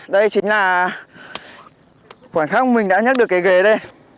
đây chính là khoảnh khắc mình đã nhắc được cái ghế đây